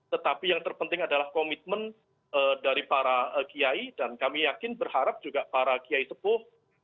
tetapi yang terpenting adalah komitmen dari para kiai dan kami yakin berharap juga para kiai sepuh